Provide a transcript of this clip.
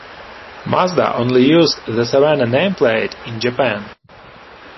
Mazda only used the Savanna nameplate in Japan.